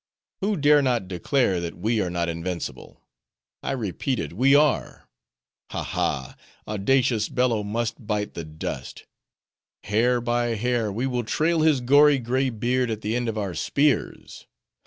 Who dare not declare, that we are not invincible? I repeat it, we are. Ha! ha! Audacious Bello must bite the dust! Hair by hair, we will trail his gory gray beard at the end of our spears!